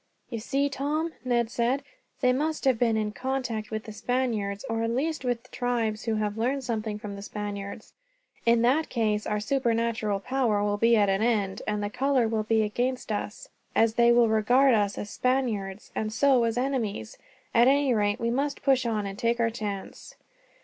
"You see, Tom," Ned said, "they must have been in contact with the Spaniards, or at least with tribes who have learned something from the Spaniards. In that case our supernatural power will be at an end, and our color will be against us, as they will regard us as Spaniards, and so as enemies. At any rate, we must push on and take our chance."